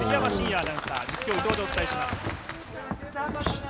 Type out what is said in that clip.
アナウンサー、実況、伊藤でお伝えします。